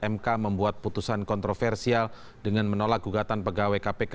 mk membuat putusan kontroversial dengan menolak gugatan pegawai kpk